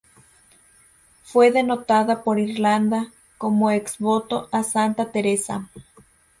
Fue donada por Irlanda como ex-voto a Santa Teresa.